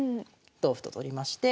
同歩と取りまして。